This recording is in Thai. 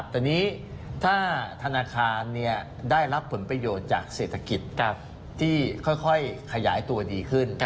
แต่นี้ถ้าธนาคารได้รับผลประโยชน์จากเศรษฐกิจที่ค่อยขยายตัวดีขึ้น